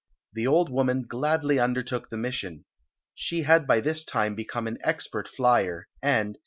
The old woman gladly undertook the mission. She had by this time become an expert flier, and.